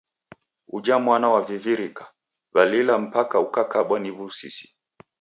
Uja mwana wavivirika. Walila mpaka ukakabwa ni w'usisi.